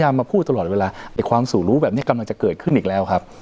มาพูดตลอดเวลาไอ้ความสู่รู้แบบนี้กำลังจะเกิดขึ้นอีกแล้วครับ